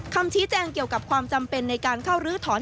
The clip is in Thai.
คำชี้แจงเกี่ยวกับความจำเป็นในการเข้ารื้อถอน